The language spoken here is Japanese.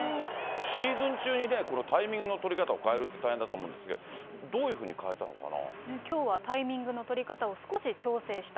シーズン中にね、このタイミングの取り方を変えるって大変だと思うんですけど、どういうふうに変えたのきょうはタイミングの取り方を少し調整した。